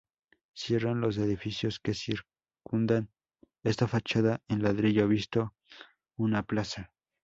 Cierran los edificios que circundan esta fachada en ladrillo visto, una plaza.